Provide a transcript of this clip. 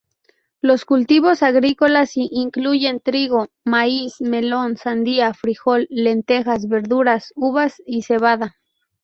Los cultivos agrícolas incluyen trigo, maíz, melón, sandía, frijol, lentejas, verduras, uvas y cebada.